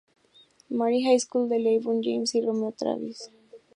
Mary High School de LeBron James y Romeo Travis.